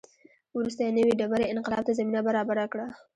وروسته یې نوې ډبرې انقلاب ته زمینه برابره کړه.